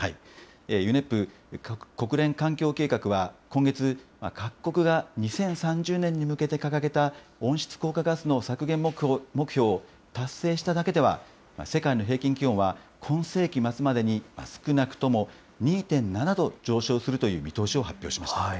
ＵＮＥＰ・国連環境計画は、今月、各国が２０３０年に向けて掲げた温室効果ガスの削減目標を達成しただけでは、世界の平均気温は今世紀末までに少なくとも２．７度上昇するという見通しを発表しました。